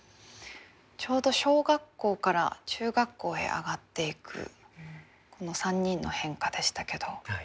ちょうど小学校から中学校へ上がっていく３人の変化でしたけど。